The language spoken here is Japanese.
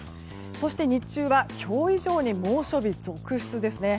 そして日中は今日以上に猛暑日が続出ですね。